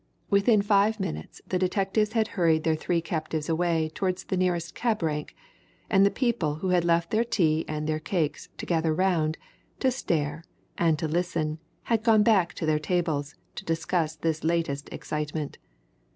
Within five minutes the detectives had hurried their three captives away towards the nearest cab rank, and the people who had left their tea and their cakes to gather round, to stare, and to listen had gone back to their tables to discuss this latest excitement.